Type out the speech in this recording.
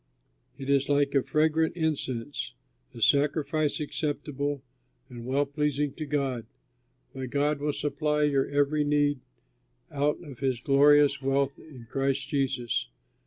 It is like fragrant incense, a sacrifice acceptable and well pleasing to God. My God will supply your every need out of his glorious wealth in Christ Jesus.